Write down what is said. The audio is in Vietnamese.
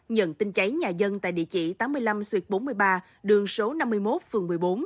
nhận tin cháy nhà dân tại địa chỉ tám mươi năm xuyệt bốn mươi ba đường số năm mươi một phường một mươi bốn